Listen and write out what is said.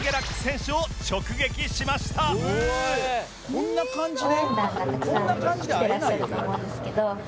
「こんな感じで？」